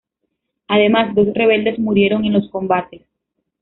Además, dos rebeldes murieron en los combates.